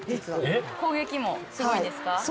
攻撃もすごいんですか？